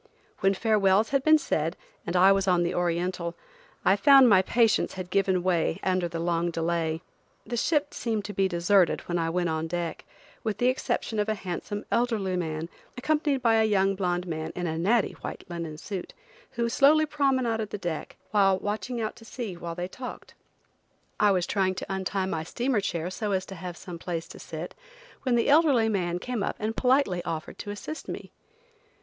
When farewells had been said, and I was on the Oriental, I found my patience had given way under the long delay. The ship seemed to be deserted when I went on deck, with the exception of a handsome, elderly man, accompanied by a young blonde man in a natty white linen suit, who slowly promenaded the deck, watching out to sea while they talked. I was trying to untie my steamer chair so as to have some place to sit, when the elderly man came up and politely offered to assist me.